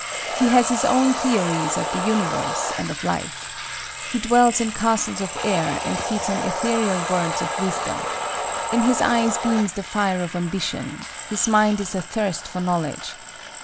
He has his own theories of the universe and of life. He dwells in castles of air and feeds on ethereal words of wisdom. In his eyes beams the fire of ambition; his mind is athirst for knowledge.